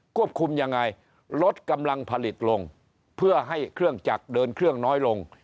ควบคุมยังไงลดกำลังผลิตลงเพื่อให้เครื่องจักรเดินเครื่องน้อยลง